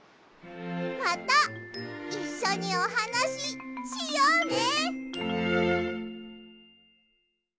またいっしょにおはなししようね！